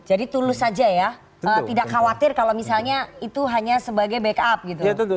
jadi tulus saja ya tidak khawatir kalau misalnya itu hanya sebagai backup gitu